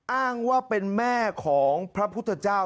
อ้างว่าเป็นแม่ของพระพุทธเจ้า